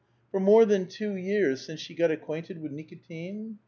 " For more than two years since she got acquainted with Nikitin